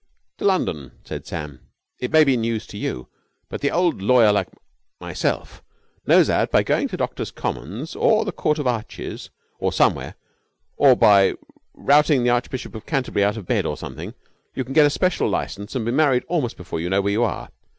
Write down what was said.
"To London," said Sam. "It may be news to you but the old lawyer like myself knows that, by going to Doctors' Commons or the Court of Arches or somewhere or by routing the Archbishop of Canterbury out of bed or something, you can get a special license and be married almost before you know where you are.